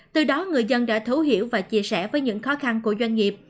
từ đó người dân đã thấu hiểu và chia sẻ với những khó khăn của doanh nghiệp